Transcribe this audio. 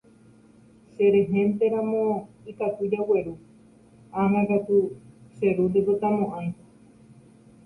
Cherehénteramo ikatu jagueru, ág̃akatu che ru ndoipotamo'ãi.